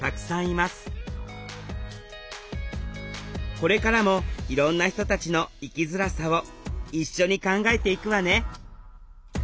これからもいろんな人たちの生きづらさを一緒に考えていくわね